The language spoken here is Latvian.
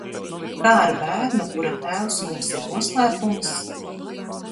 Kā ar bērnu, kura tēvs mums ir noslēpums?